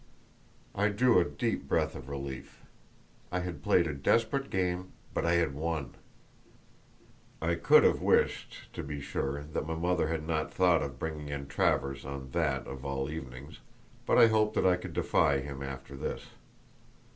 I drew a deep breath of relief. I had played a desperate game, but I had won! I could have wished, to be sure, that my mother had not thought of bringing in Travers on that of all evenings, but I hoped that I could defy him after this.